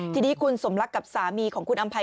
ทีนี้คุณสมรักกับสามีของคุณอำภัย